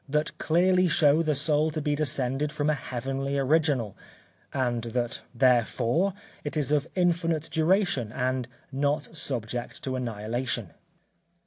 that clearly show the soul to be descended from a heavenly original, and that therefore it is of infinite duration and not subject to annihilation.